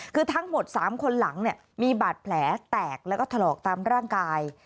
คือทั้งหมด๓คนหลังเนี่ยมีบาดแผลแตกแล้วก็ถลอกตามร่างกาย